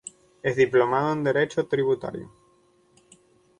Es diplomado en Derecho Tributario.